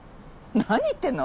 何言ってんの？